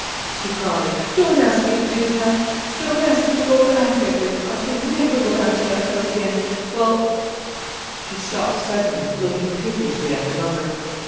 she cried; "don't ask me to do that, don't ask me to go back, Edward. I can never go back to that house again, while " She stopped suddenly, looking piteously at her lover.